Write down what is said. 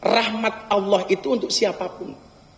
rahmat allah itu untuk siapapun